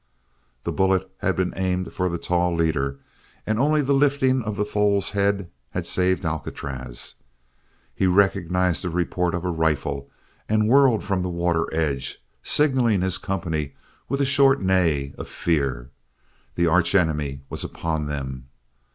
That bullet had been aimed for the tall leader and only the lifting of the foal's head had saved Alcatraz. He recognized the report of a rifle and whirled from the water edge, signalling his company with a short neigh of fear; the arch enemy was upon them!